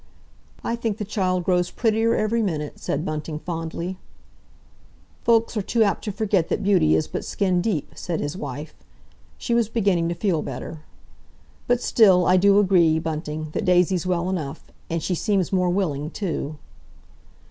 "I think the child grows prettier every minute," said Bunting fondly. "Folks are too apt to forget that beauty is but skin deep," said his wife. She was beginning to feel better. "But still, I do agree, Bunting, that Daisy's well enough. And she seems more willing, too."